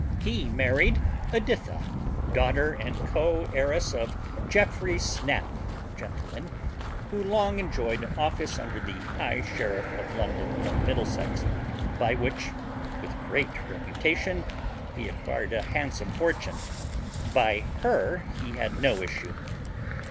He married Editha, daughter and co heiress of Geoffry Snap, gent., who long enjoyed an office under the high sheriff of London and Middlesex, by which, with great reputation, he acquired a handsome fortune: by her he had no issue.